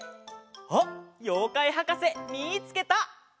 あっようかいはかせみつけた！